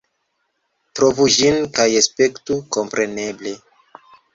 Trovu ĝin, kaj spektu kompreneble.